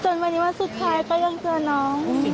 ส่วนวันนี้วันสุดท้ายก็ยังเจอน้อง